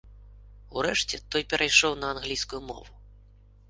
Урэшце той перайшоў на англійскую мову.